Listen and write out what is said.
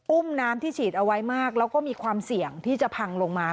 อุ้มน้ำที่ฉีดเอาไว้มากแล้วก็มีความเสี่ยงที่จะพังลงมา